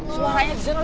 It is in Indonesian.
suaranya di sana